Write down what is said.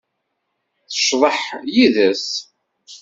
Tecḍeḥ yid-s.